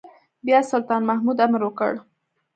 بيا سلطان محمود امر وکړ.